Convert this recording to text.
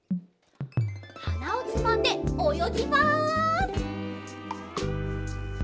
はなをつまんでおよぎます。